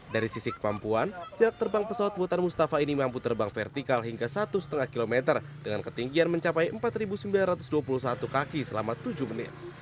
dari sisi kemampuan jarak terbang pesawat buatan mustafa ini mampu terbang vertikal hingga satu lima km dengan ketinggian mencapai empat sembilan ratus dua puluh satu kaki selama tujuh menit